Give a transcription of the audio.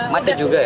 macet juga ya